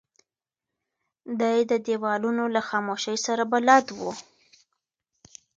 دی د دیوالونو له خاموشۍ سره بلد و.